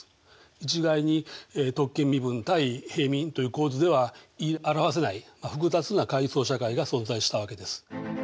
一概に特権身分対平民という構図では言い表せない複雑な階層社会が存在したわけです。